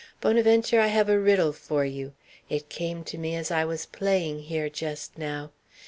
"Bonaventure, I have a riddle for you. It came to me as I was playing here just now.